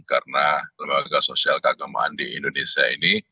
karena lembaga sosial keagamaan di indonesia ini